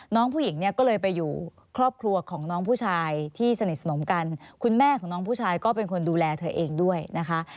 น้องผู้หญิงเนี่ยก็เลยไปอยู่ครอบครัวของน้องผู้ชายที่สนิทสนมกันคุณแม่ของน้องผู้ชายก็เป็นคนดูแลเธอเองด้วยนะคะ